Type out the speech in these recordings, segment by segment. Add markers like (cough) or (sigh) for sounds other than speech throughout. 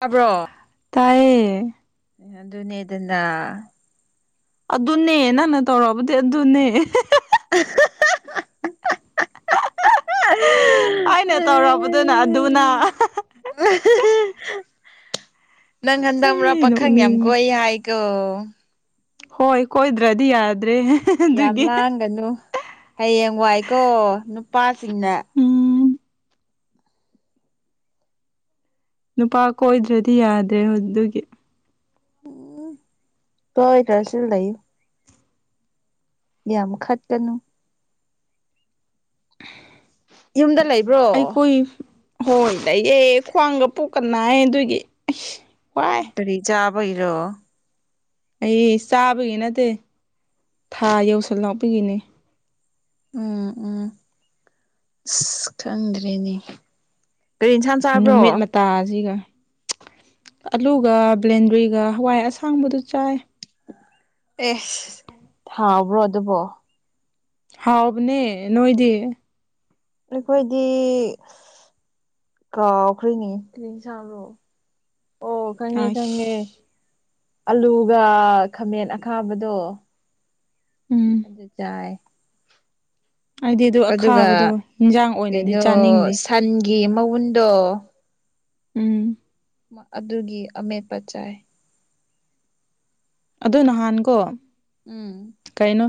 ꯇꯥꯕ꯭ꯔꯣ ꯇꯥꯏꯌꯦ ꯑꯗꯨꯅꯦ ꯗꯨꯅ ꯑꯗꯨꯅꯦ ꯅꯪꯅ ꯇꯧꯔꯕꯗꯤ ꯑꯗꯨꯅꯦ (unintelligible) ꯍꯥꯏꯅ ꯇꯧꯔꯕꯗꯨꯅ ꯑꯗꯨꯅ ꯅꯪ ꯍꯟꯗꯛ ꯃꯔꯛ ꯑꯩ ꯄꯥꯈꯪ ꯌꯥꯝ ꯅꯣꯛꯅꯤꯡꯉꯦ ꯀꯣꯏ ꯍꯥꯏ ꯀꯣ ꯍꯣꯏ ꯀꯣꯏꯗ꯭ꯔꯥꯗꯤ ꯌꯥꯗ꯭ꯔꯦ ꯌꯥꯝ ꯑꯗꯨꯒꯤ ꯂꯥꯡꯒꯅꯨ ꯍꯌꯦꯡꯋꯥꯏꯀꯣ ꯅꯨꯄꯥꯁꯤꯡꯅ ꯎꯝ ꯅꯨꯄꯥ ꯀꯣꯏꯗ꯭ꯔꯗꯤ ꯌꯥꯗ꯭ꯔꯦ ꯑꯗꯨꯒꯤ ꯎ ꯇꯣꯏꯗꯔ꯭ꯁꯨ ꯂꯩ ꯌꯥꯝ ꯈꯠꯀꯥꯅꯨ ꯌꯨꯝꯗꯥ ꯂꯩ ꯑꯩꯈꯣꯏ ꯍꯣꯏ ꯂꯩꯌꯦ ꯈ꯭ꯋꯥꯡꯒꯥ ꯄꯣꯛꯀꯅꯥꯏ ꯑꯗꯨꯒꯤ ꯋꯥꯏ ꯀꯔꯤ ꯆꯥꯕꯩꯔꯣ ꯑꯩ ꯆꯥꯕꯒꯤ ꯅꯠꯇꯦ ꯊꯥ ꯌꯧꯁꯜꯂꯛꯄꯒꯤꯅꯤ ꯎꯝ ꯎꯝ ꯑꯁ ꯈꯪꯗ꯭ꯔꯦꯅꯦ ꯀꯔꯤ ꯏꯟꯁꯥꯡ ꯆꯥꯕ꯭ꯔꯣ ꯅꯨꯃꯤꯠ ꯃꯥ ꯇꯥꯁꯤꯒꯥ ꯑꯂꯨꯒꯥ ꯕ꯭ꯂꯦꯟꯗ꯭ꯔꯤꯒꯥ ꯍꯋꯥꯏ ꯑꯁꯥꯡꯕꯗꯨ ꯆꯥꯏ ꯑꯦꯁ ꯐꯕ꯭ꯔꯣ ꯑꯗꯨꯕꯣ ꯍꯥꯎꯕꯅꯦ ꯅꯣꯏꯗꯤ ꯑꯩꯈꯣꯏꯗꯤ ꯀꯥꯎꯈꯔꯦꯅꯦ ꯀꯔꯤ ꯏꯟꯁꯥꯡꯔꯣ ꯑꯣ ꯈꯪꯉꯦ ꯈꯪꯉꯦ ꯑꯁ ꯑꯂꯨꯒꯥ ꯈꯥꯃꯦꯟ ꯑꯈꯥꯕꯗꯣ ꯎꯝ ꯑꯗꯨ ꯆꯥꯏ ꯑꯩꯗꯤ ꯑꯗꯨ ꯑꯈꯥꯕꯗꯣ ꯑꯗꯨꯒ ꯍꯤꯟꯖꯥꯡ ꯑꯣꯏꯅꯗꯤ ꯀꯩꯅꯣ ꯆꯥꯅꯤꯡꯗꯦ ꯁꯟꯒꯤ ꯃꯎꯨꯟꯗꯣ ꯎꯝ ꯑꯗꯨꯒꯤ ꯑꯃꯦꯠꯄ ꯆꯥꯏ ꯑꯗꯨ ꯅꯍꯟꯀꯣ ꯎꯝ ꯀꯩꯅꯣ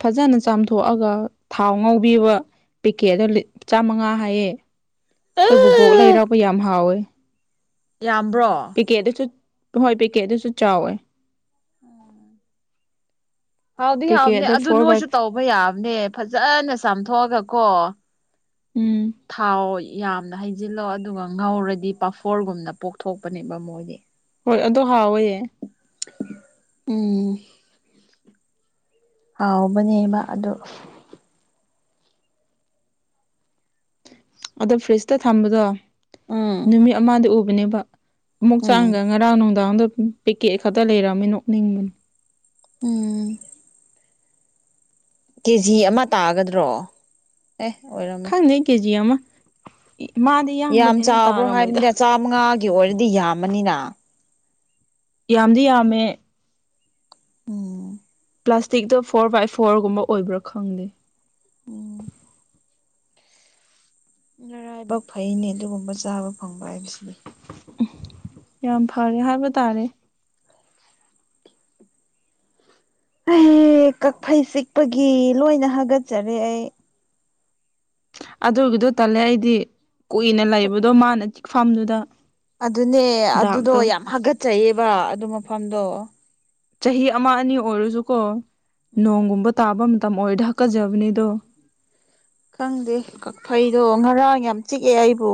ꯐꯖꯅ ꯆꯥꯝꯊꯣꯛꯑꯒ ꯊꯥꯎ ꯉꯧꯕꯤꯕ꯫ ꯄꯦꯛꯀꯦꯠꯗꯨ ꯆꯥꯃꯉꯥ ꯍꯥꯏꯌꯦ ꯑꯩꯈꯣꯏ ꯕꯨꯕꯣꯛ ꯂꯩꯔꯥꯎꯕ ꯌꯥꯝ ꯍꯥꯎꯋꯦ꯫ ꯌꯥꯝꯕ꯭ꯔꯣ꯫ ꯄꯦꯀꯦꯠꯗꯨꯁꯨ ꯑꯗꯨꯁꯨ ꯍꯣꯏ ꯄꯦꯀꯦꯠ ꯑꯗꯨꯁꯨ ꯆꯥꯎꯋꯦ ꯎꯝ ꯍꯥꯎꯗꯤ ꯍꯥꯎꯕꯅꯦ ꯄꯦꯀꯦꯠꯗ ꯑꯗꯨ ꯐꯣꯔ ꯅꯣꯏꯁꯨ ꯐꯥꯏꯚ ꯇꯧ ꯕ ꯌꯥꯕꯅꯦ ꯐꯖꯅ ꯆꯥꯝꯊꯣꯛꯑꯒ ꯀꯣ ꯎꯝ ꯊꯥꯎ꯫ ꯌꯥꯝꯅ ꯍꯩꯖꯤꯜꯂꯣ ꯑꯗꯨꯒ ꯉꯧꯔꯗꯤ ꯄꯥꯐꯣꯔꯒꯨꯝꯅ ꯄꯣꯛꯊꯣꯛꯄꯅꯦꯕ ꯃꯣꯏꯗꯤ ꯍꯣꯏ ꯑꯗꯣ ꯍꯥꯎꯋꯦ ꯎꯝ ꯍꯥꯎꯕꯅꯦꯕ ꯑꯗꯨ ꯑꯗꯨꯝ ꯐ꯭ꯔꯤꯖꯇꯥ ꯊꯝꯕꯗꯣ ꯎꯝ ꯅꯨꯃꯤꯠ ꯑꯃꯗꯥ ꯎꯕꯅꯦꯕ ꯑꯃꯨꯛ ꯎꯝ ꯆꯥꯡꯒ ꯉꯔꯥꯡ ꯅꯨꯡꯗꯥꯡꯝꯗꯥ ꯄꯦꯛꯀꯦꯠ ꯈꯛꯇꯥ ꯂꯩꯔꯝꯃꯤ ꯅꯣꯛꯅꯤꯡꯕꯅꯤ ꯎꯝ ꯀꯦ ꯖꯤ ꯑꯃ ꯇꯥꯒꯗ꯭ꯔꯣ ꯑꯦ ꯑꯣꯏꯔꯝ ꯈꯪꯗ ꯀꯦꯖꯤ ꯑꯃꯥ ꯌꯥꯝ ꯆꯥꯎꯕ꯭ꯔꯣ ꯍꯥꯏꯕꯅꯤꯅ ꯆꯥꯝꯃꯉꯥꯒꯤ ꯑꯣꯏꯔꯗꯤ ꯌꯥꯝꯃꯅꯤꯅ ꯌꯥꯝꯗꯤ ꯌꯥꯝꯃꯦ꯫ ꯎꯝ ꯄ꯭ꯂꯥꯁꯇꯤꯛꯇꯣ ꯐꯣꯔ ꯕꯥꯏ ꯐꯣꯔꯒꯨꯝꯕ ꯑꯣꯏꯕ꯭ꯔꯥ ꯈꯪꯗꯦ ꯎꯝ꯫ ꯅꯔꯥꯏꯕꯛ ꯐꯩꯅꯦ ꯑꯗꯨꯒꯨꯝꯕ ꯆꯥꯕ ꯐꯪꯕ ꯍꯥꯏꯕꯁꯤꯗꯤ꯫ ꯎ ꯌꯥꯝ ꯐꯔꯦ ꯍꯥꯏꯕ ꯇꯥꯔꯦ ꯑꯦ ꯀꯛꯐꯩ ꯆꯤꯛꯄꯒꯤ ꯂꯣꯏꯅ ꯍꯥꯒꯠꯆꯔꯦ ꯑꯩ꯫ ꯑꯗꯨꯒꯤꯗꯣ ꯇꯜꯂꯦ ꯑꯩꯗꯤ ꯀꯨꯏꯅ ꯂꯩꯕꯗꯣ ꯃꯥꯅ ꯆꯤꯛꯐꯥꯝꯗꯨꯗ ꯑꯗꯨꯅꯦ ꯑꯗꯨꯗꯣ ꯌꯥꯝ ꯍꯥꯒꯠꯆꯩꯑꯦꯕ ꯑꯗꯨ ꯃꯐꯝꯗꯣ ꯆꯍꯤ ꯑꯃ ꯑꯅꯤ ꯑꯣꯏꯔꯁꯨꯀꯣ ꯎꯝ ꯅꯣꯡꯒꯨꯝꯕ ꯇꯥꯕ ꯃꯇꯝ ꯑꯣꯏꯔꯗꯤ ꯍꯥꯛꯀꯖꯕꯅꯦꯗꯣ꯫ ꯈꯪꯗꯦ ꯀꯛꯐꯩꯗꯣ ꯉꯔꯥꯡ ꯌꯥꯝ ꯆꯤꯛꯑꯦ ꯑꯩꯕꯨ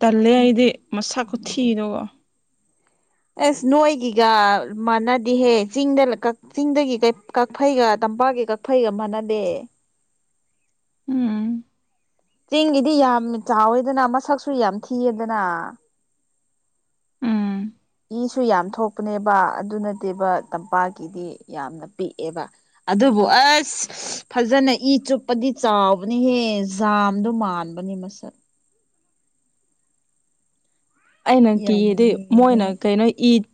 ꯇꯜꯂꯦ ꯑꯩꯗꯤ ꯃꯁꯛ ꯈꯨꯊꯤꯗꯨꯒ ꯑꯁ ꯅꯣꯏꯒꯤꯒ ꯃꯥꯟꯅꯗꯤꯍꯦ ꯆꯤꯡꯗ ꯀ ꯆꯤꯡꯗꯒꯤ ꯀꯩ꯫ ꯀꯛꯐꯩꯒ ꯇꯝꯄꯥꯛꯀꯤ ꯀꯛꯐꯩꯒ ꯃꯥꯟꯅꯗꯦ ꯎꯝ ꯆꯤꯡꯒꯤꯗꯤ ꯌꯥꯝ ꯆꯥꯎꯋꯦꯗꯅ ꯃꯁꯛꯁꯨ ꯌꯥꯝ ꯊꯤꯌꯦꯗꯅ꯫ ꯎꯝ ꯏꯁꯨ ꯌꯥꯝ ꯊꯣꯛꯄꯅꯦꯕ ꯑꯗꯨ ꯅꯠꯇꯦꯕ ꯇꯝꯄꯥꯛꯀꯤꯗꯤ ꯌꯥꯝꯅ ꯄꯤꯛꯑꯦꯕ꯫ ꯑꯗꯨꯕꯨ ꯑꯁ ꯐꯖꯅ ꯏ ꯆꯨꯞꯄꯗꯤ ꯆꯥꯎꯕꯅꯤꯍꯦ ꯖꯥꯝꯗꯣ ꯃꯥꯟ ꯕꯅꯤ ꯃꯁꯛ꯫ ꯑꯩꯅ ꯌꯥꯝ ꯀꯤꯌꯦꯗꯤ ꯃꯣꯏꯅ ꯃꯨꯔꯒ ꯀꯩꯅꯣ ꯏꯠ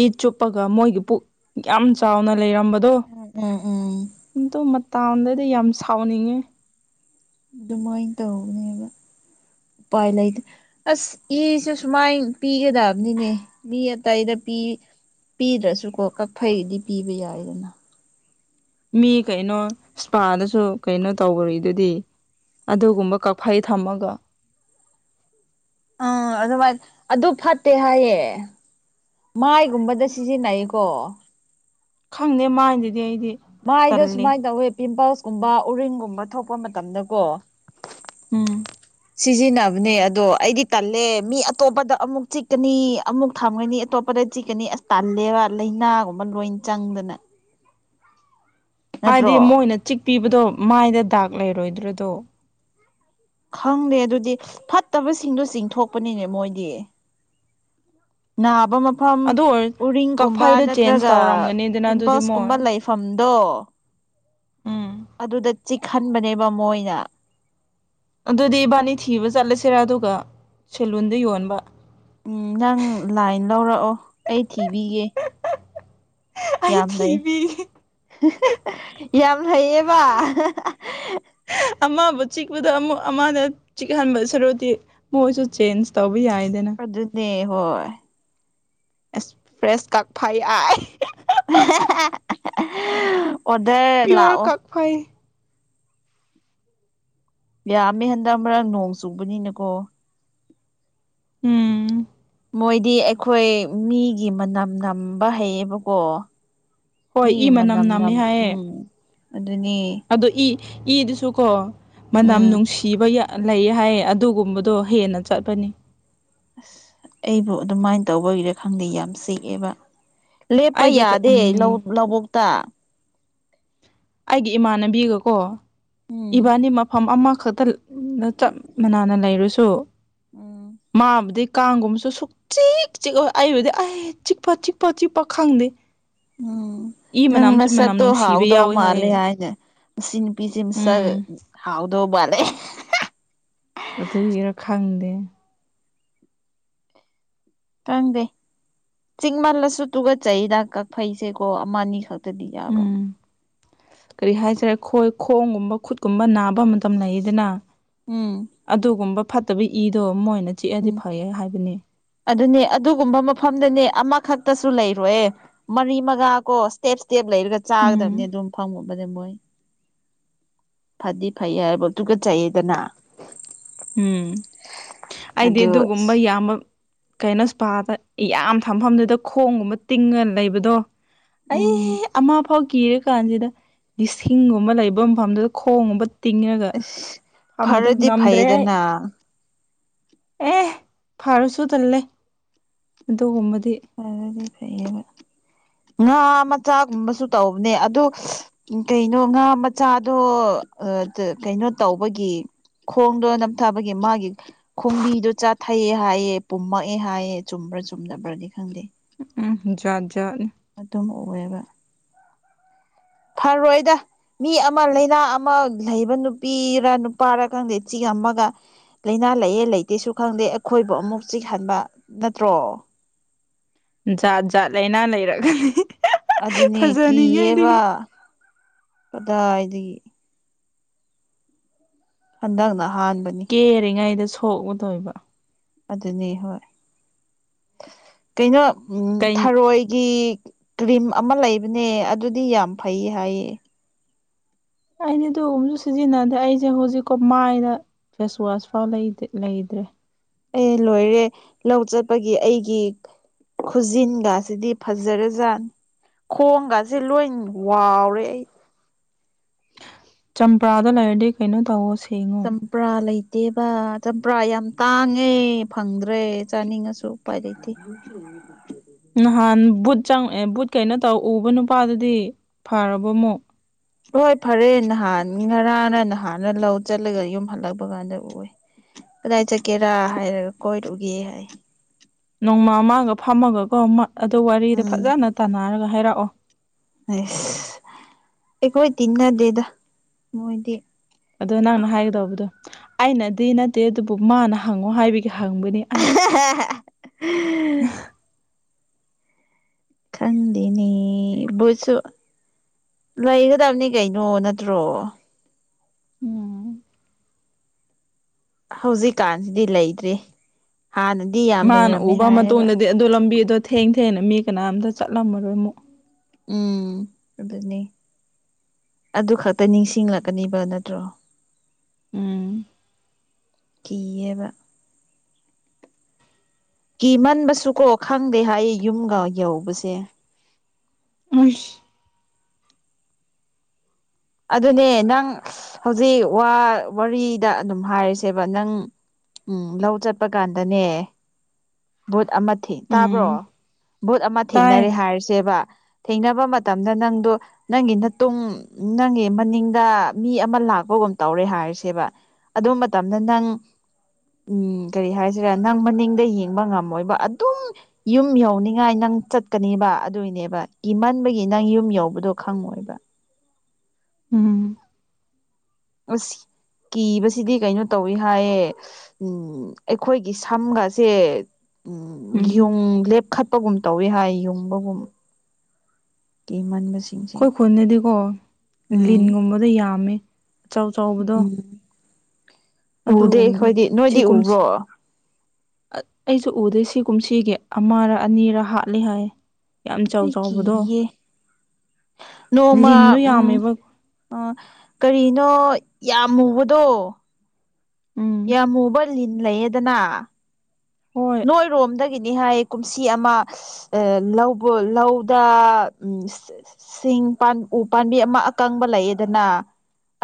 ꯏ ꯆꯨꯞꯄꯒ ꯃꯣꯏꯒꯤ ꯄꯨꯛ ꯌꯥꯝ ꯆꯥꯎꯅ ꯂꯩꯔꯝꯕꯗꯣ ꯎꯝ ꯎꯝ ꯎꯝ ꯎꯝ ꯑꯗꯨ ꯃꯇꯥꯟꯗꯗꯤ ꯌꯥꯝ ꯁꯥꯎꯅꯤꯡꯉꯦ꯫ ꯑꯗꯨꯃꯥꯏꯅ ꯇꯧꯕꯅꯦꯕ ꯎꯄꯥꯏ ꯂꯩꯇ ꯑꯁ ꯏ ꯁꯨ ꯁꯨꯃꯥꯏꯅ ꯄꯤꯒꯗꯕꯅꯤꯅꯦ ꯃꯤ ꯑꯇꯩꯗ ꯄꯤ꯫ ꯄꯤꯗ꯭ꯔꯁꯨꯀꯣ ꯀꯛꯐꯩꯗꯤ ꯄꯤꯕ ꯌꯥꯏꯗꯅ꯫ ꯃꯤ ꯀꯩꯅꯣ ꯏꯁꯄꯥꯗꯁꯨ ꯀꯩꯅꯣ ꯇꯧꯒꯔꯤꯗꯨꯗꯤ꯫ ꯑꯗꯨꯒꯨꯝꯕ ꯀꯛꯐꯩ ꯊꯝꯃꯒ꯫ ꯎꯥ ꯑꯗꯨꯃꯥꯏꯅ ꯑꯗꯨ ꯐꯠꯇꯦ ꯍꯥꯏꯌꯦ꯫ ꯃꯥꯏꯒꯨꯝꯕꯗ ꯁꯤꯖꯤꯟꯅꯩꯀꯣ꯫ ꯈꯪꯗꯦ ꯃꯥꯏꯗꯗꯤ ꯑꯩꯗꯤ ꯃꯥꯏꯗ ꯇꯜꯂꯤ ꯁꯨꯃꯥꯏ ꯇꯧꯋꯦ ꯄꯤꯝꯄꯜꯁ ꯀꯨꯝꯕ ꯎꯔꯤꯡꯒꯨꯝꯕ ꯊꯣꯛꯄ ꯃꯇꯝꯗꯀꯣ꯫ ꯎꯝ꯫ ꯁꯤꯖꯤꯟꯅꯕꯅꯦ ꯑꯗꯣ ꯑꯩꯗꯤ ꯇꯜꯂꯦ ꯃꯤ ꯑꯇꯣꯞꯄꯗ ꯑꯃꯨꯛ ꯆꯤꯛꯀꯅꯤ ꯑꯃꯨꯛ ꯊꯝꯒꯅꯤ ꯑꯇꯣꯞ꯫ ꯀꯗꯥꯏ ꯆꯤꯛꯀꯅꯤ ꯑꯁ ꯇꯜꯂꯦꯕ ꯂꯩꯅꯥꯒꯨꯝꯕ ꯂꯣꯏꯅ ꯆꯪꯗꯅ ꯍꯥꯏꯗꯤ ꯅꯠꯇ꯭ꯔꯣ ꯃꯣꯏꯅ ꯆꯤꯛꯄꯤꯕꯗꯣ ꯃꯥꯏꯗ ꯗꯥꯛ ꯂꯩꯔꯣꯏꯗ꯭ꯔꯗꯣ ꯈꯪꯗꯦ ꯑꯗꯨꯗꯤ ꯐꯠꯇꯕꯁꯤꯡꯗꯣ ꯆꯤꯡꯊꯣꯛꯄꯅꯤꯅꯦ ꯃꯣꯏꯗꯤ꯫ ꯅꯥꯕ ꯃꯐꯝ ꯑꯗꯨ ꯑꯣꯏꯔ ꯎꯔꯤꯡꯀꯨꯝꯕ ꯀꯛꯐꯩꯗꯣ ꯆꯦꯟꯖ ꯅꯠꯇ꯭ꯔꯒ ꯇꯧꯔꯝꯒꯅꯤꯗꯅ ꯑꯗꯨꯗꯤ ꯄꯤꯝꯄꯜꯁ ꯃꯣꯏ ꯀꯨꯝꯕ ꯂꯩ ꯐꯝꯗꯣ꯫ ꯎꯝ꯫ ꯑꯗꯨꯗ ꯆꯤꯛꯍꯟꯕꯅꯦꯕ ꯃꯣꯏꯅ꯫ ꯑꯗꯨꯗꯤ ꯏꯕꯥꯅꯤ ꯊꯤꯕ ꯆꯠꯂꯁꯤꯔꯥ ꯑꯗꯨꯒ ꯁꯦꯂꯨꯟꯗ ꯌꯣꯟꯕ꯫ ꯎꯝ ꯅꯪ ꯂꯥꯏꯟ ꯂꯧꯔꯛꯑꯣ ꯑꯩ ꯊꯤꯕꯤꯒꯦ ꯑꯩ ꯌꯥꯝ ꯂꯩ ꯊꯤꯕꯤꯒꯦ ꯌꯥꯝ ꯂꯩꯌꯦꯕ ꯑꯃꯕꯨ ꯆꯤꯛꯄꯗꯣ ꯑꯃ ꯑꯃꯗ ꯆꯤꯛꯍꯟꯕ ꯁꯔꯨꯛꯗꯤ ꯃꯣꯏꯁꯨ ꯆꯦꯟꯁꯇꯕ ꯌꯥꯏꯗꯅ ꯑꯗꯨꯅꯩ ꯍꯣꯏ ꯑꯦꯛꯁꯄ꯭ꯔꯦꯁ ꯀꯛꯐꯩ ꯌꯥꯥꯏ꯫ ꯑꯣꯗꯔ ꯂꯥꯛꯑꯣ꯫ ꯍꯣꯏ ꯌꯥꯝꯃꯦ ꯍꯟꯗꯛ ꯃꯔꯛ ꯅꯣꯡ ꯆꯨꯕꯅꯤꯅꯀꯣ ꯎꯝ ꯃꯣꯏꯗꯤ ꯑꯩꯈꯣꯏ ꯃꯤꯒꯤ ꯃꯅꯝ ꯅꯝꯕ ꯍꯩꯌꯦꯕꯀꯣ ꯍꯣꯏ ꯏ ꯃꯤꯒꯤ ꯃꯅꯝ ꯅꯝꯃꯦ ꯃꯅꯝꯅꯝ ꯍꯥꯏꯌꯦ ꯎꯝ ꯑꯗꯨꯅꯦ ꯑꯗꯣ ꯏ ꯏꯗꯨꯁꯨ ꯀꯣ ꯃꯅꯝ ꯎꯝ ꯅꯨꯡꯁꯤꯕ ꯌꯥ ꯂꯩ ꯍꯥꯏꯌꯦ ꯑꯗꯨꯒꯨꯝꯕꯗꯣ ꯍꯦꯟꯅ ꯆꯠꯄꯅꯤ ꯑꯁ ꯑꯩꯕꯨ ꯑꯗꯨꯃꯥꯏ ꯇꯧꯕꯒꯤꯔꯥ ꯈꯪꯗꯦ ꯌꯥꯝ ꯆꯤꯛꯑꯦꯕ ꯂꯦꯞꯄ ꯑꯩꯒꯤ ꯌꯥꯗꯦ ꯂꯧ ꯎꯝ ꯂꯧꯕꯨꯛꯇ ꯑꯩꯒꯤ ꯏꯃꯥꯟꯅꯕꯤꯒꯀꯣ ꯎꯝ ꯏꯕꯥꯅꯤ ꯃꯐꯝ ꯑꯃꯈꯛꯇ ꯆꯞ ꯃꯅꯅ ꯂꯩꯔꯁꯨ ꯎꯝ ꯃꯥꯕꯨꯗꯤ ꯀꯥꯡꯒꯨꯝꯕꯁꯨ ꯁꯨ ꯆꯤꯛ ꯆꯤꯑꯣꯏ ꯑꯣꯏꯗꯤ ꯆꯤꯛꯄ ꯆꯤꯄ ꯆꯤꯛꯄ ꯈꯪꯗꯦ ꯎꯝ ꯏ ꯅꯪ ꯃꯅꯝꯁꯨ ꯃꯅꯝ ꯃꯁꯛꯇꯣ ꯅꯨꯡꯁꯤꯕ ꯍꯥꯎꯗꯧ ꯌꯥꯎꯋꯦ ꯃꯥꯜ ꯍꯥꯏꯌꯦ ꯍꯥꯏꯅꯦ ꯃꯁꯤ ꯅꯨꯄꯤꯁꯦ ꯃꯁꯛ ꯎꯝ ꯍꯥꯎꯗꯧ ꯕꯥꯜꯂꯦ ꯑꯗꯨꯏꯔꯥ ꯈꯪꯗꯦ ꯀꯪꯗꯦ ꯆꯤꯡꯃꯜꯂꯁꯨ ꯇꯨꯒꯠ ꯆꯩꯗ ꯀꯛꯐꯩꯁꯦꯀꯣ ꯑꯃ ꯑꯅꯤꯈꯛ ꯇꯗꯤ ꯌꯥꯕ ꯎꯝ ꯀꯔꯤ ꯍꯥꯏꯁꯦꯔꯥ ꯈꯣꯏ ꯈꯣꯡꯒꯨꯝꯕ ꯈꯨꯠꯀꯨꯝꯕ ꯅꯥꯕ ꯃꯇꯝ ꯂꯩꯌꯦꯗꯅ ꯎꯝ ꯑꯗꯨꯒꯨꯝꯕ ꯐꯠꯇꯕ ꯏꯗꯣ ꯃꯣꯏꯅ ꯆꯤꯛꯑꯗꯤ ꯎꯝ ꯐꯩꯌꯦ ꯍꯥꯏꯕꯅꯤ ꯑꯗꯨꯅꯦ ꯑꯗꯨꯒꯨꯝꯕ ꯃꯐꯝꯗꯅꯦ ꯑꯃꯈꯛꯇꯁꯨ ꯂꯩꯔꯣꯏꯌꯦ ꯃꯔꯤ ꯃꯉꯥ ꯀꯣ ꯏꯁꯇꯦꯞ ꯏꯁꯇꯦꯞ ꯂꯩꯔꯒ ꯆꯥꯒꯗꯕꯅꯤ ꯎꯝ ꯑꯗꯨꯝ ꯐꯪꯉꯨꯕꯗ ꯃꯣꯏ ꯐꯗꯤ ꯐꯩ ꯍꯥꯏꯕ ꯑꯗꯨ ꯇꯨꯒꯠꯆꯩꯌꯦꯗꯅ ꯎꯝ ꯑꯩꯗꯤ ꯑꯗꯨ ꯑꯗꯨꯒꯨꯝꯕ ꯌꯥꯝꯕ ꯀꯩꯅꯣ ꯏꯁꯄꯥꯗ ꯌꯥꯝ ꯊꯝꯐꯝꯗꯨꯗ ꯈꯣꯡꯒꯨꯝꯕ ꯇꯤꯡꯉ ꯂꯩꯕꯗꯣ ꯑꯩ ꯎꯝ ꯑꯃꯐꯥꯎ ꯀꯤꯔ ꯀꯥꯟꯁꯤꯗ ꯂꯤꯁꯤꯡꯒꯨꯝꯕ ꯂꯩꯕ ꯃꯐꯝꯗꯨꯗ ꯈꯣꯡꯒꯨꯝꯕ ꯇꯤꯡꯉꯒ ꯐꯝꯃꯤꯗꯣ ꯐꯔꯗꯤ ꯉꯝꯗ꯭ꯔꯦ ꯑꯩ ꯐꯩꯗꯅ ꯑꯦ ꯐꯥꯔꯁꯨ ꯇꯜꯂꯦ ꯑꯗꯨꯒꯨꯝꯕꯗꯤ ꯑꯗꯨꯗꯤ ꯐꯩꯌꯦꯕ ꯉꯥ ꯃꯆꯥꯒꯨꯝꯕꯁꯨ ꯇꯧꯕꯅꯦ ꯑꯗꯨ ꯎꯝ ꯀꯩꯅꯣ ꯉꯥ ꯃꯆꯥꯗꯣ ꯀꯩꯅꯣ ꯇꯧꯕꯒꯤ ꯈꯣꯡꯗꯣ ꯅꯝꯊꯥꯕꯒꯤ ꯃꯥꯒꯤ ꯈꯣꯡꯕꯤꯗꯣ ꯆꯥꯊꯩꯑ ꯍꯥꯏꯌꯦ ꯄꯨꯝꯃꯛꯑꯦ ꯍꯥꯏꯌꯦ ꯆꯨꯝꯕ꯭ꯔꯥ ꯆꯨꯝꯗꯕ꯭ꯔꯗꯤ ꯈꯪꯗꯦ ꯎꯝ ꯖꯥꯠꯖꯥꯠꯅꯤ ꯑꯗꯨꯝ ꯑꯣꯏꯑꯦꯕ ꯐꯔꯣꯏꯗ ꯃꯤ ꯑꯃ ꯂꯩꯥꯅꯥ ꯑꯃ ꯂꯩꯕ ꯅꯨꯄꯤꯔꯥ ꯅꯨꯄꯥꯔꯥ ꯈꯪꯗꯦ ꯆꯤꯛꯑꯝꯃꯒ ꯂꯩꯅꯥ ꯂꯩꯌꯦ ꯂꯩꯇꯦꯁꯨ ꯈꯪꯗꯦ ꯑꯩꯈꯣꯏꯕꯨ ꯑꯃꯨꯛ ꯆꯤꯛꯍꯟꯕ ꯅꯠꯇ꯭ꯔꯣ ꯖꯥꯠ ꯖꯥꯠ ꯂꯩꯥꯏꯅꯥ ꯂꯩꯔꯛꯒꯅꯤ ꯑꯗꯨꯅꯦ ꯀꯤꯌꯦꯕ ꯀꯗꯥꯏꯗꯒꯤ ꯍꯟꯗꯛꯅ ꯑꯍꯥꯟꯕꯅꯤ ꯀꯦꯔꯤꯉꯩꯗ ꯁꯣꯛꯂꯨꯗꯣꯏꯕ ꯑꯗꯨꯅꯤ ꯍꯣꯏ ꯀꯩꯅꯣ ꯎꯝ ꯀꯩ ꯊꯔꯣꯏꯒꯤ ꯀ꯭ꯔꯤꯝ ꯑꯃ ꯂꯩꯕꯅꯦ ꯑꯗꯨꯗꯤ ꯌꯥꯝ ꯐꯩ ꯍꯥꯏꯌꯦ ꯑꯩꯗꯤ ꯑꯗꯨꯝꯁꯨ ꯁꯤꯖꯤꯟꯅꯗꯦ ꯑꯩꯁꯦ ꯍꯧꯖꯤꯛꯀꯣ ꯃꯥꯏꯗ ꯐꯦꯁ ꯋꯥꯁ ꯐꯥꯎ ꯂꯩꯗ꯭ꯔꯦ ꯑꯦ ꯂꯣꯏꯔꯦ ꯂꯧ ꯆꯠꯄꯒꯤ ꯑꯩꯒꯤ ꯈꯨꯖꯤꯟꯒꯁꯤꯗꯤ ꯐꯖꯔꯖꯥꯠꯅꯤ ꯈꯣꯡꯒꯁꯦ ꯂꯣꯏ ꯋꯥꯎꯔꯦ ꯑꯩ ꯆꯝꯄ꯭ꯔꯥꯗꯣ ꯂꯩꯔꯗꯤ ꯀꯩꯅꯣ ꯇꯧꯋꯣ ꯁꯦꯡꯉꯣ ꯆꯝꯄ꯭ꯔꯥ ꯂꯩꯇꯦꯕ ꯆꯝꯄ꯭ꯔꯥ ꯌꯥꯝ ꯇꯥꯡꯉꯦ ꯐꯪꯗ꯭ꯔꯦ ꯆꯥꯅꯤꯡꯉꯁꯨ ꯎꯄꯥꯏ ꯂꯩꯇꯦ ꯅꯍꯥꯟ ꯕꯨꯠ ꯆꯪꯉꯛꯑꯦ ꯕꯨꯠ ꯀꯩꯅꯣ ꯇꯧ ꯎꯕ ꯅꯨꯄꯥꯗꯨꯗꯤ ꯐꯔꯕꯣ ꯑꯃꯨꯛ ꯍꯣꯏ ꯐꯔꯦ ꯅꯍꯥꯟ ꯉꯔꯥꯡꯅ ꯅꯍꯥꯟꯅ ꯂꯧ ꯆꯠꯂꯒ ꯌꯨꯝ ꯍꯜꯂꯛꯄ ꯀꯥꯟꯗ ꯎꯏ ꯀꯗꯥꯏ ꯆꯠꯀꯦꯔꯥ ꯍꯥꯏꯔꯒ ꯀꯣꯏꯔꯨꯒꯦ ꯍꯥꯏ ꯅꯣꯡꯃ ꯑꯃꯒ ꯐꯝꯃꯒꯀꯣ ꯃ ꯑꯗꯨ ꯋꯥꯔꯤꯗꯣ ꯎꯝ ꯐꯖꯅ ꯇꯥꯟꯅꯔꯒ ꯍꯥꯏꯔꯛꯑꯣ ꯑꯩꯁ ꯑꯩꯈꯣꯏ ꯇꯤꯟꯅꯗꯦꯗ ꯃꯣꯏꯗꯤ ꯑꯗꯣ ꯅꯪꯅ ꯍꯥꯏꯒꯗꯧꯕꯗꯣ ꯑꯩꯅꯗꯤ ꯅꯠꯇꯦ ꯑꯗꯨꯕꯨ ꯃꯥꯅ ꯍꯪꯉꯣ ꯍꯥꯏꯕꯒꯤ ꯍꯪꯕꯅꯤ ꯑꯩꯁ (unintelligible) (unintelligible) ꯈꯪꯗꯦꯅꯦ ꯕꯨꯠꯁꯨ ꯂꯩꯒꯗꯕꯅꯤ ꯀꯩꯅꯣ ꯅꯠꯇ꯭ꯔꯣ ꯎꯝ ꯍꯧꯖꯤꯛꯀꯥꯟꯁꯤꯗꯤ ꯂꯩꯇ꯭ꯔꯦ ꯍꯥꯟꯅꯗꯤ ꯌꯥꯝ ꯂꯩꯔꯝꯃꯦ ꯍꯥꯏꯌꯦꯕ ꯑꯗꯣ ꯂꯝꯕꯤ ꯑꯗꯣ ꯊꯦꯡ ꯊꯦꯡꯅ ꯃꯤ ꯀꯅꯥꯝꯇ ꯆꯠꯂꯝꯃꯔꯣꯏ ꯑꯃꯨꯛ ꯎꯝ ꯑꯗꯨꯅꯤ ꯑꯗꯨ ꯈꯛꯇ ꯅꯤꯡꯁꯤꯡꯂꯛꯀꯅꯤꯕ ꯅꯠꯇ꯭ꯔꯣ ꯎꯝ ꯀꯤꯌꯦꯕ ꯀꯤ ꯃꯟꯕꯁꯨ ꯀꯣ ꯈꯪꯗꯦ ꯍꯥꯏ ꯌꯨꯝꯒ ꯌꯧꯕꯁꯦ ꯑꯩꯁ ꯑꯗꯨꯅꯦ ꯅꯪ ꯍꯧꯖꯤꯛ ꯋꯥ ꯋꯥꯔꯤꯗ ꯑꯗꯨꯝ ꯍꯥꯏꯔꯁꯦꯕ ꯅꯪ ꯎꯝ ꯂꯧ ꯆꯠꯄ ꯀꯥꯟꯗꯅꯦ ꯚꯨꯠ ꯑꯃ ꯊꯦ ꯇꯥꯕ꯭ꯔꯣ ꯎꯝ ꯚꯨꯠ ꯑꯃ ꯇꯥꯏ ꯊꯦꯡꯅꯔꯦ ꯍꯥꯏꯔꯁꯦꯕ ꯊꯦꯡꯅꯕ ꯃꯇꯝꯗ ꯅꯪꯗꯣ ꯅꯪꯒꯤ ꯅꯇꯨꯡ ꯅꯪꯒꯤ ꯃꯅꯤꯡꯗ ꯃꯤ ꯑꯃ ꯂꯥꯛꯄꯒꯨꯝ ꯇꯧꯔꯦ ꯍꯥꯏꯔꯁꯦꯕ ꯑꯗꯨ ꯃꯇꯝꯗ ꯅꯪ ꯎꯝ ꯀꯔꯤ ꯍꯥꯏꯁꯤꯔꯦ ꯅꯪ ꯃꯅꯤꯡꯗ ꯌꯦꯡ ꯕ ꯉꯝꯃꯣꯏꯕ ꯑꯗꯨꯝ ꯌꯨꯝ ꯌꯧꯅꯤꯉꯥꯏ ꯅꯪ ꯆꯠꯀꯅꯦꯕ ꯑꯗꯨꯏꯅꯦꯕ ꯀꯤꯃꯟꯕꯒꯤ ꯅꯪ ꯌꯨꯝ ꯌꯧꯕꯗꯣ ꯈꯪꯉꯣꯏꯕ ꯎꯝ ꯑꯁ ꯀꯤꯕꯁꯤꯗꯤ ꯀꯩꯅꯣ ꯇꯧꯋꯤ ꯍꯥꯏꯌꯦ ꯎꯝ ꯑꯩꯈꯣꯏꯒꯤ ꯁꯝꯒꯁꯦ ꯎꯝ ꯌꯨꯡ ꯂꯦꯞꯈꯠ ꯒꯨꯝ ꯇꯧꯏꯤ ꯍꯥꯏ ꯌꯨꯡꯕꯒꯨꯝ ꯀꯤꯃꯟꯕꯁꯤ꯫ ꯑꯩꯈꯣꯏ ꯈꯨꯜꯗꯗꯤꯀꯣ ꯂꯤꯟꯒꯨꯝꯕꯗ ꯌꯥꯝꯃꯦ ꯑꯆꯥꯎ ꯆꯥꯎꯕꯗꯣ꯫ ꯎꯝ ꯎꯗꯦ ꯑꯗꯨꯒꯨꯝꯕꯗ ꯑꯩꯈꯣꯏꯗꯤ ꯅꯣꯏꯗꯤ ꯁꯤꯒꯨꯝꯁꯦ꯫ ꯎꯕ꯭ꯔꯣ ꯑꯩꯁꯨ ꯎꯗꯦ ꯁꯤ ꯀꯨꯝꯁꯤꯒꯤ ꯑꯃꯔꯥ ꯑꯅꯤꯔꯥ ꯍꯥꯠꯂꯤ ꯍꯥꯏꯌꯦ꯫ ꯌꯥꯝ ꯆꯥꯎ ꯑꯩ ꯆꯥꯎꯕꯗꯣ ꯀꯤꯌꯦ ꯂꯤꯟꯗꯣ ꯌꯥꯝꯃꯦꯕ꯫ ꯑꯣ ꯀꯔꯤꯅꯣ ꯌꯥꯝ ꯃꯨꯕꯗꯣ꯫ ꯎꯝ ꯌꯥꯝ ꯃꯨꯕ ꯂꯤꯟ ꯂꯩꯌꯦꯗꯅ꯫ ꯍꯣꯢ꯫ ꯈꯣꯏ ꯔꯣꯝꯗꯒꯤꯅꯤ ꯍꯥꯏꯌꯦ ꯀꯨꯝꯁꯤ ꯑꯃ꯫ ꯑ ꯂꯧꯕ꯭ꯔꯣ ꯂꯧꯗ ꯎꯝ ꯏꯁ ꯁꯤꯡ ꯄꯥꯟ ꯎ ꯄꯥꯝꯕꯤ ꯑꯃ ꯑꯀꯪꯕ ꯂꯩꯌꯦꯗꯅ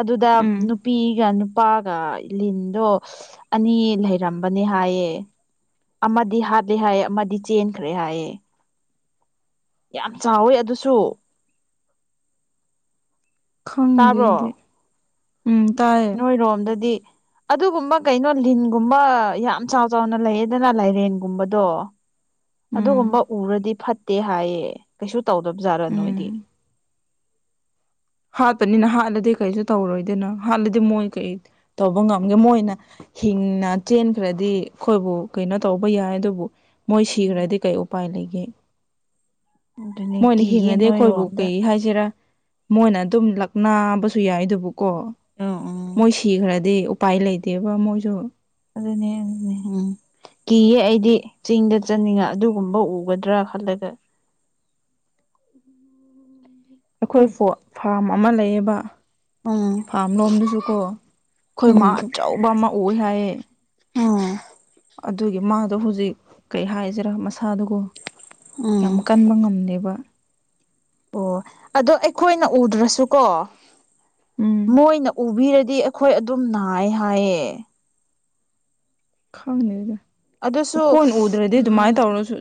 ꯑꯗꯨꯗ ꯎꯝ ꯅꯨꯄꯤꯒ ꯅꯨꯄꯥꯒ ꯂꯤꯟꯗꯣ ꯑꯅꯤ ꯂꯩꯔꯝꯕꯅꯦ ꯍꯥꯏꯌꯦ ꯑꯃꯗꯤ ꯍꯥꯠꯂꯦ ꯍꯥꯏꯌꯦ ꯑꯃꯗꯤ ꯆꯦꯟꯈ꯭ꯔꯦ ꯍꯥꯏꯑꯦ ꯌꯥꯝ ꯆꯥꯎꯋꯦ ꯑꯗꯨꯁꯨ ꯈꯪꯗꯦ ꯇꯥꯕ꯭ꯔꯣ ꯑꯩꯗꯤ ꯎꯝ ꯇꯥꯏ ꯅꯣꯏꯔꯣꯝꯗꯗꯤ ꯑꯗꯨꯒꯨꯝꯕ ꯀꯩꯅꯣ ꯂꯤꯟꯒꯨꯝꯕ ꯌꯥꯝ ꯆꯥꯎ ꯆꯥꯎꯅ ꯂꯩꯌꯦꯗꯅ ꯂꯥꯏꯔꯦꯟꯒꯨꯝꯕꯗꯣ ꯑꯗꯨꯒꯨꯝꯕ ꯎꯝ ꯎꯔꯗꯤ ꯐꯠꯇꯦ ꯍꯥꯏꯌꯦ ꯀꯩꯁꯨ ꯇꯧꯗꯕꯖꯥꯠꯔꯥ ꯅꯣꯏꯗꯤ꯫ ꯎꯝ ꯍꯥꯠꯄꯅꯤꯅ ꯍꯥꯠꯂꯗꯤ ꯀꯩꯁꯨ ꯇꯧꯔꯣꯏꯗꯣꯏꯅꯣ ꯍꯥꯠꯂꯗꯤ ꯃꯣꯏ ꯀꯩ ꯇꯧꯕ ꯉꯝꯒꯦ ꯃꯣꯏꯅ꯫ ꯍꯤꯡꯅ ꯆꯦꯟꯈ꯭ꯔꯗꯤ ꯑꯩꯈꯣꯏꯕꯨ ꯀꯩꯅꯣ ꯇꯧꯕ ꯌꯥꯏ ꯑꯗꯨꯕꯨ꯫ ꯃꯣꯏ ꯁꯤꯈ꯭ꯔꯗꯤ ꯀꯩ ꯎꯄꯥꯏ ꯂꯩꯒꯦ꯫ ꯑꯗꯨꯅꯦ ꯃꯣꯏꯅ ꯀꯤꯌꯦ ꯍꯤꯡꯉꯗꯤ ꯑꯩꯈꯣꯏꯕꯨ ꯅꯣꯏꯔꯣꯝꯗ ꯀꯩ ꯍꯥꯏꯁꯤꯔꯥ꯫ ꯃꯣꯏꯅ ꯑꯗꯨꯝ ꯂꯛꯅꯕꯁꯨ ꯌꯥꯏ ꯑꯗꯨꯕꯨꯀꯣ ꯎꯝ ꯎꯝ ꯃꯣꯏ ꯁꯤꯈ꯭ꯔꯗꯤ꯫ ꯎꯄꯥꯏ ꯂꯩꯇꯦꯕ ꯃꯣꯏꯁꯨ꯫ ꯑꯗꯨꯅꯦ ꯑꯗꯨꯅꯦ ꯎꯝ꯫ ꯀꯤꯌꯦ ꯑꯩꯗꯤ ꯆꯤꯡꯗ ꯆꯠꯅꯤꯡꯉ ꯑꯗꯨꯒꯨꯝꯕ ꯎꯒꯗ꯭ꯔꯥ ꯈꯜꯂꯒ꯫ ꯑꯩꯈꯣꯏ ꯎꯝ ꯐꯣꯔꯠ ꯐꯥꯔꯝ ꯑꯃ ꯂꯩꯌꯦꯕ꯫ ꯎꯝ ꯐꯥꯝ ꯂꯣꯝꯗꯨꯁꯨ ꯀꯣ ꯑꯩꯈꯣꯏ ꯃꯥ ꯎꯝ ꯑꯆꯧꯕ ꯑꯃ ꯑꯣꯏ ꯍꯥꯏꯌꯦ꯫ ꯑꯗꯨꯒꯤ ꯃꯥꯗꯣ ꯍꯧꯖꯤꯛ ꯀꯩ ꯍꯥꯏꯁꯤꯔꯥ ꯃꯁꯥꯗꯨꯒꯣ꯫ ꯎꯝ ꯌꯥꯝ ꯀꯟꯕ ꯉꯝꯗꯦꯕ꯫ ꯑꯣ ꯑꯗꯣ ꯑꯩꯈꯣꯏꯅ ꯎꯗ꯭ꯔꯁꯨꯀꯣ ꯎꯝ ꯃꯣꯏꯅ ꯎꯕꯤꯔꯗꯤ꯫ ꯑꯩꯈꯣꯏ ꯑꯗꯨꯝ ꯅꯥꯏ ꯍꯥꯏꯌꯦ꯫ ꯈꯪꯗꯦꯗ ꯑꯗꯨꯁꯨ ꯈꯣꯏꯅ ꯎꯗ꯭ꯔꯗꯤ ꯎꯝ ꯑꯗꯨꯃꯥꯏꯅ ꯇꯧꯔꯁꯨ꯫